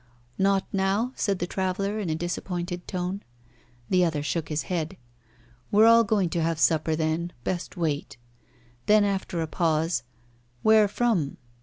"Not now?" said the traveller, in a disappointed tone. The other shook his head. "We're all going to have supper then. Best wait." Then, after a pause: "Where from?"